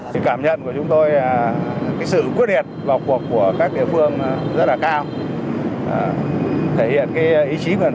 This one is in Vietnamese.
cảm nhận của chúng tôi là sự quyết định vào cuộc của các địa phương rất là cao thể hiện ý chí và hạnh